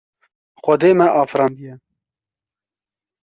Xwedê me afirandiye.